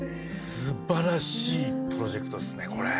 すばらしいプロジェクトですねこれ。